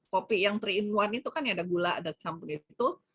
kopi yang three in one itu kan ya ada gula ada sambal itu